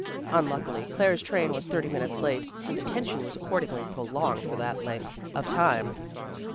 Unluckily, Claire's train was thirty minutes late, and the tension was accordingly prolonged for that length of time.